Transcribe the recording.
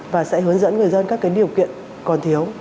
và sẽ hướng dẫn người dân các điều kiện còn thiếu